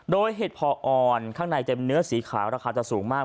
โดยเห็ดพออ่อนข้างในเต็มเนื้อสีขาวราคาจะสูงมาก